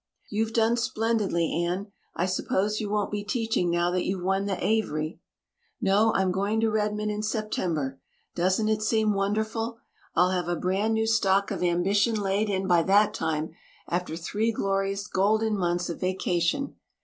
"You've done splendidly, Anne. I suppose you won't be teaching now that you've won the Avery?" "No. I'm going to Redmond in September. Doesn't it seem wonderful? I'll have a brand new stock of ambition laid in by that time after three glorious, golden months of vacation.